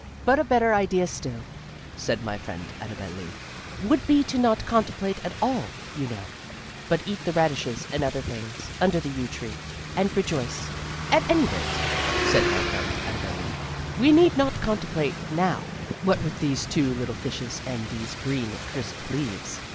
"But a better idea still," said my friend Annabel Lee, "would be to not contemplate at all, you know, but eat the radishes and other things, under the yew tree, and rejoice. "At any rate," said my friend Annabel Lee, "we need not contemplate now what with these two little fishes and these green, crisp leaves."